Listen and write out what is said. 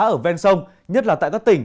ở ven sông nhất là tại các tỉnh